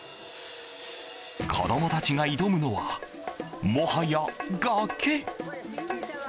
子供たちが挑むのはもはや崖。